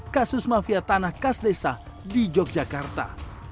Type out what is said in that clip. kasus mafia tanah kas desa di yogyakarta